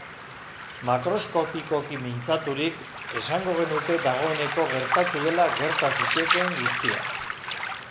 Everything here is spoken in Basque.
Makroskopikoki mintzaturik, esango genuke dagoeneko gertatu dela gerta zitekeen guztia.